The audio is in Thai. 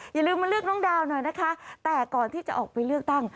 อย่าลืมมาเลือกน้องดาวหน่อยนะคะแต่ก่อนที่จะออกไปเลือกตั้ง